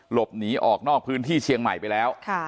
หลบหนีออกนอกพื้นที่เชียงใหม่ไปแล้ว